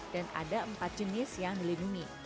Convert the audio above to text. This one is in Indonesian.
dan ada empat jenis yang dilindungi